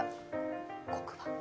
黒板？